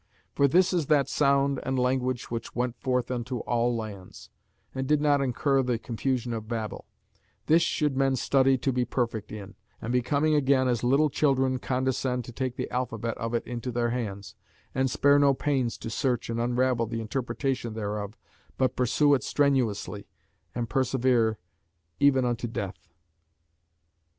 For this is that sound and language which "went forth into all lands," and did not incur the confusion of Babel; this should men study to be perfect in, and becoming again as little children condescend to take the alphabet of it into their hands, and spare no pains to search and unravel the interpretation thereof, but pursue it strenuously and persevere even unto death."